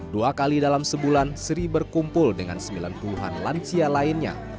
dua kali dalam sebulan sri berkumpul dengan sembilan puluhan lansia lain